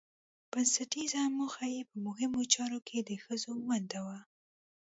بنسټيزه موخه يې په مهمو چارو کې د ښځو ونډه وه